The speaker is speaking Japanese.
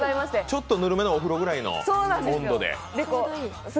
ちょっとぬるめのお風呂ぐらいの温度で。